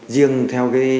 riêng theo tổng hợp